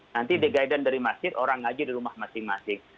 nanti di guidance dari masjid orang ngaji di rumah masing masing